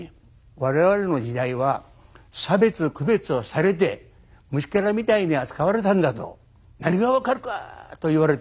我々の時代は差別区別をされて虫けらみたいに扱われたんだと何が分かるか！と言われてね